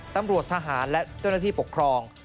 ตำรวจทหารและเจ้าหน้าที่ปกครอง